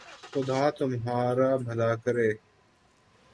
خدا تمہارر بھلا کرے